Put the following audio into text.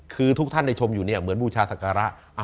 คือทุกท่านในชมอยู่เหมือนบูชาสการะ